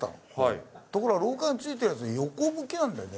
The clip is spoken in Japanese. ところが廊下に付いてるやつが横向きなんだよ